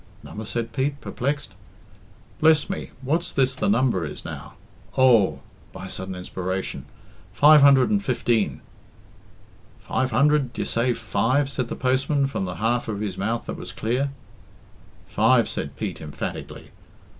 "Number?" said Pete, perplexed. "Bless me, what's this the number is now? Oh," by a sudden inspiration, "five hundred and fifteen." "Five hundred d'ye say five" said the postman from the half of his mouth that was clear. "Five," said Pete emphatically.